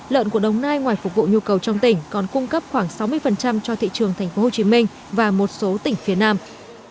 lợn của đồng nai ngoài phục vụ nhu cầu trong tỉnh còn cung cấp khoảng sáu mươi cho thị trường tp hcm và một số tỉnh phía nam